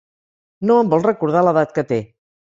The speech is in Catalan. No em vol recordar l'edat que té.